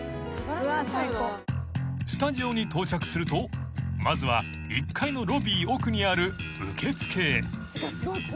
［スタジオに到着するとまずは１階のロビー奥にある受付へ］